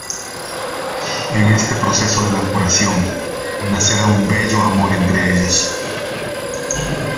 En este proceso de la curación, nacerá un bello amor entre ellos.